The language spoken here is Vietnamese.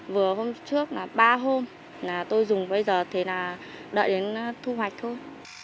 vừa hôm trước là ba hôm là tôi dùng bây giờ thì là đợi đến thu hoạch thôi